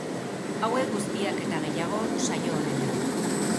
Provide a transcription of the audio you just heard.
Hauek guztiak eta gehiago, saio honetan.